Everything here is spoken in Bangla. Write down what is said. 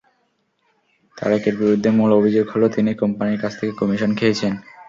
তারেকের বিরুদ্ধে মূল অভিযোগ হলো, তিনি কোম্পানির কাছ থেকে কমিশন খেয়েছেন।